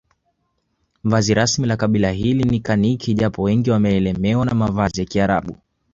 Vazi rasmi la kabila hili ni kaniki japo wengi wameelemewa na mavazi ya kiarabu